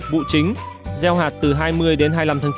vụ chính gieo hạt từ hai mươi đến hai mươi năm tháng chín